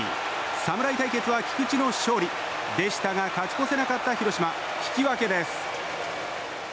侍対決は菊池の勝利でしたが勝ち越せなかった広島引き分けです。